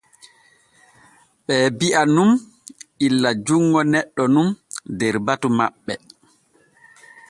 Ɓee bi’a nun illa junŋo neɗɗo nun der batu maɓɓe.